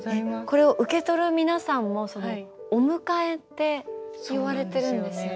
これを受け取る皆さんも「お迎え」って言われてるんですよね。